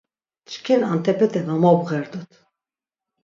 Çkin antepete va mobğerdut!